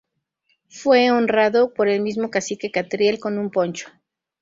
Fue honrado por el mismo cacique Catriel con un poncho.